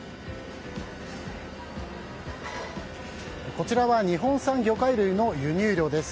こちらは日本産魚介類の輸入量です。